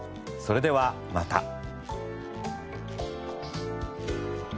それではまた。